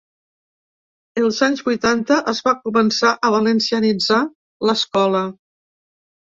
"Els anys vuitanta es va començar a valencianitzar l'escola".